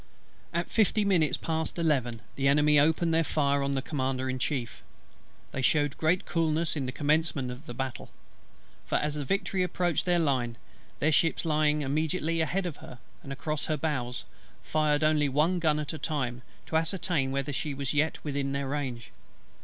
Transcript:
" At fifty minutes past eleven the Enemy opened their fire on the Commander in Chief. They shewed great coolness in the commencement of the battle; for as the Victory approached their line, their ships lying immediately ahead of her and across her bows fired only one gun at a time, to ascertain whether she was yet within their range.